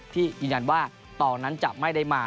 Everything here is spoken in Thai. ที่ยืนยันว่าตองนั้นจะไม่ได้มา